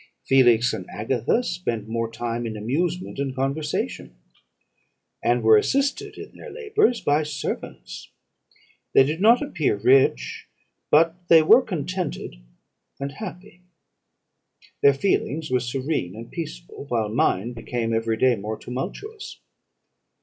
Felix and Agatha spent more time in amusement and conversation, and were assisted in their labours by servants. They did not appear rich, but they were contented and happy; their feelings were serene and peaceful, while mine became every day more tumultuous.